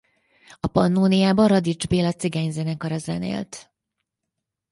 A Pannóniában Radics Béla cigányzenekara zenélt.